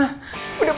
udah bergerak ma